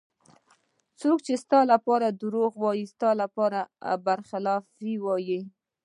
څوک چې ستا لپاره دروغ وایي ستا په خلاف یې وایي.